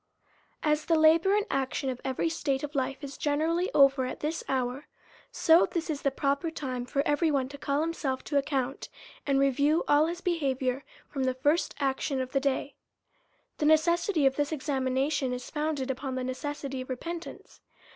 As the labour and action of every state of life is generally over at this hour, so this is the proper time for every one to call himself to account, and review all his behaviour, from the first action of the day. The necessity of this examination is founded upon the necessity of repentance.